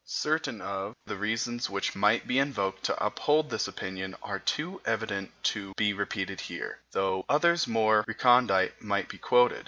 Certain of the reasons which might be invoked to uphold this opinion are too evident to be repeated here, though others more recondite might be quoted.